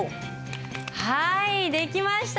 はいできました。